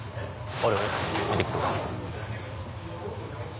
あれ？